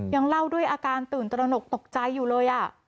ยังเล่าด้วยอาการตื่นตระหนกตกใจอยู่เลย